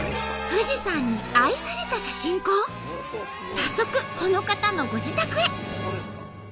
早速その方のご自宅へ。